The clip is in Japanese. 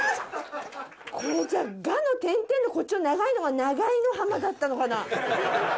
これじゃあ「が」の点々のこっちの長いのが「ながいのはま」だったのかな？